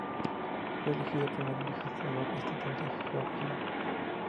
Fue elegido primer legislador estatal de Georgia.